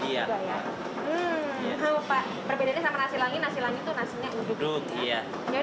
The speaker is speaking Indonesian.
ya nggak apa apa perbedaannya sama nasi langit nasi langit nasinya duduk ya